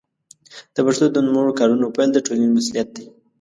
د پښتو د نوموړو کارونو پيل د ټولنې مسوولیت دی.